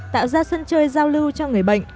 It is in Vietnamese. tạo ra sân chơi giao lưu cho người bệnh